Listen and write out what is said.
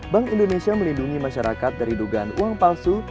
bank indonesia melindungi masyarakat dari dugaan uang palsu